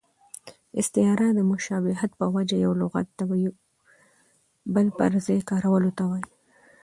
استعاره د مشابهت په وجه یو لغت د بل پر ځای کارولو ته وايي.